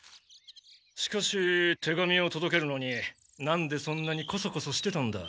しかし手紙をとどけるのになんでそんなにコソコソしてたんだ？